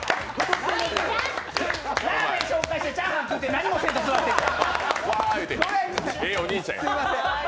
ラーメン紹介してチャーハン食って、何もせんで座ってるんや。